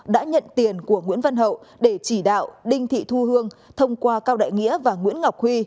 đã nhận tiền của nguyễn văn hậu để chỉ đạo đinh thị thu hương thông qua cao đại nghĩa và nguyễn ngọc huy